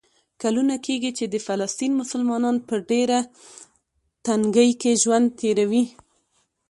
کلونه کېږي چې د فلسطین مسلمانان په ډېره تنګۍ کې ژوند تېروي.